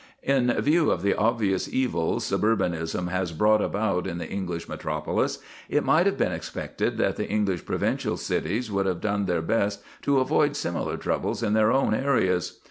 In view of the obvious evils suburbanism has brought about in the English metropolis, it might have been expected that the English provincial cities would have done their best to avoid similar troubles in their own areas.